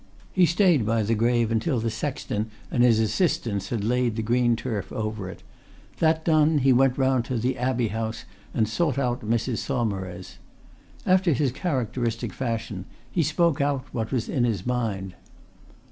He stayed by the grave until the sexton and his assistants had laid the green turf over it; that done, he went round to the Abbey House and sought out Mrs. Saumarez. After his characteristic fashion he spoke out what was in his mind.